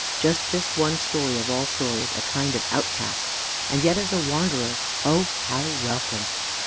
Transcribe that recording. Just this one story of all stories a kind of outcast! and yet as a wanderer, oh, how welcome!